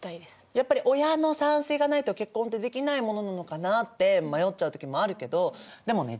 やっぱり親の賛成がないと結婚ってできないものなのかなって迷っちゃう時もあるけどでもね